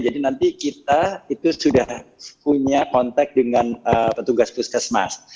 jadi nanti kita itu sudah punya kontak dengan petugas puskesmas